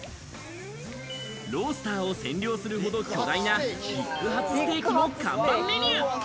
ロースターを占領するほど巨大なＢＩＧハツステーキも看板メニュー。